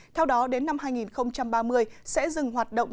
theo đó đến năm hai nghìn ba mươi sẽ dừng hoạt động